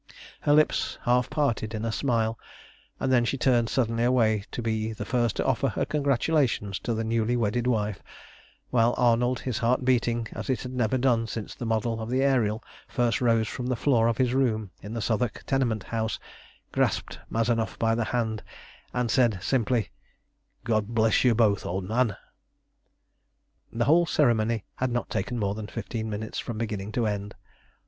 Her lips half parted in a smile, and then she turned suddenly away to be the first to offer her congratulations to the newly wedded wife, while Arnold, his heart beating as it had never done since the model of the Ariel first rose from the floor of his room in the Southwark tenement house, grasped Mazanoff by the hand and said simply "God bless you both, old man!" The whole ceremony had not taken more than fifteen minutes from beginning to end.